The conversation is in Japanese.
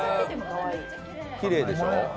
きれいでしょう？